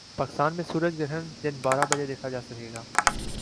پاکستان میں سورج گرہن دن بارہ بجے دیکھا جا سکے گا